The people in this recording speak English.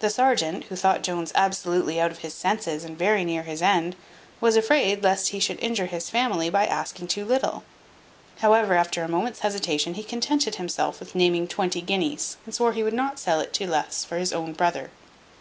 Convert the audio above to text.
The serjeant, who thought Jones absolutely out of his senses, and very near his end, was afraid lest he should injure his family by asking too little. However, after a moment's hesitation, he contented himself with naming twenty guineas, and swore he would not sell it for less to his own brother.